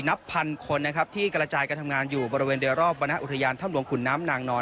นับพันคนที่กระจายการทำงานอยู่บริเวณเรียรอบบรรณอุทยานธรรมรวงขุนน้ำนางนอน